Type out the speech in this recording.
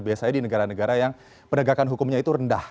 biasanya di negara negara yang penegakan hukumnya itu rendah